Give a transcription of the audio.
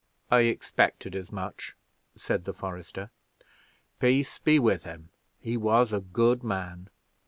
"I expected as much," said the forester. "Peace be with him he was a good man.